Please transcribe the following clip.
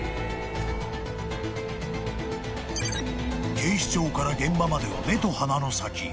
［警視庁から現場までは目と鼻の先］